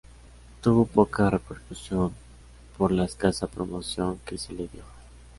Tuvo poca repercusión por la escasa promoción que se le dio.